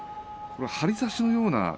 張り差しのような。